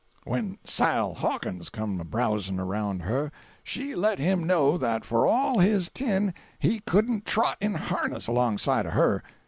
Humph! When Sile Hawkins come a browsing around her, she let him know that for all his tin he couldn't trot in harness alongside of her.